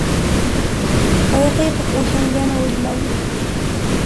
Wayqiypaq uhan yana willmayuq.